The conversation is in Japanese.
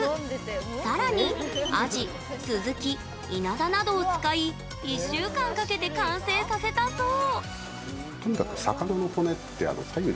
さらにアジ、スズキ、イナダなどを使い１週間かけて完成させたそう。